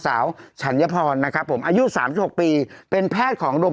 สาวฉันยพรนะครับผมอายุสามสิบหกปีเป็นแพทย์ของโรง